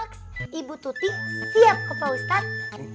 ibu tuti siap ke pak ustadz